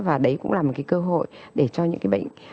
và đấy cũng là một cái cơ hội để cho những cái bệnh